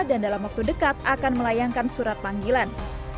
dan dalam waktu dekat akan melayangkan surat panggilan